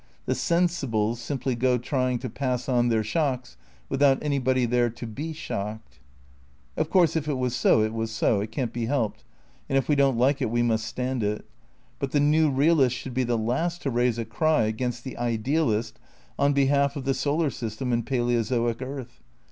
The "sensibles" simply go trying to pass on their shocks, without anybody there to he shocked. Of course if it was so, it was so; it can't be helped, and if we don't like it we must stand it; but the new realist should be the last to raise a cry against the idealist on behalf of the solar system and palaeozoic earth.